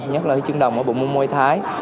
nhất là huy chương đồng ở bộ môn môi thái